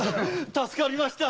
助かりました。